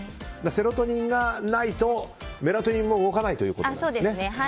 セロトニンがないとメラトニンも動かないということですね。